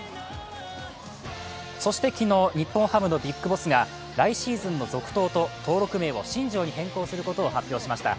そして昨日日本ハムのＢＩＧＢＯＳＳが来シーズンの続投と登録名を新庄に変更することを発表しました。